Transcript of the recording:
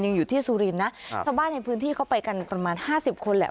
ยังอยู่ที่ซูลินนะชาวบ้านในพื้นที่เข้าไปกันประมาณ๕๐คนแล้ว